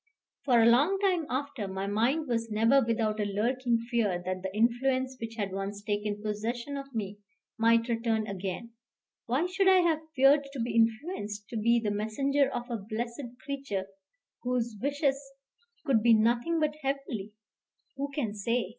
For a long time after, my mind was never without a lurking fear that the influence which had once taken possession of me might return again. Why should I have feared to be influenced, to be the messenger of a blessed creature, whose wishes could be nothing but heavenly? Who can say?